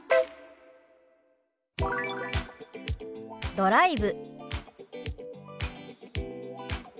「ドライブ」。